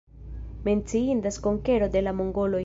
Menciindas konkero de la mongoloj.